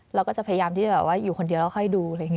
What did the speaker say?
เราก็จะพยายามที่อยู่คนเดียวแล้วค่อยดู